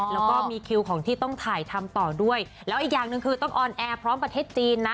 แล้วก็มีคิวของที่ต้องถ่ายทำต่อด้วยแล้วอีกอย่างหนึ่งคือต้องออนแอร์พร้อมประเทศจีนนะ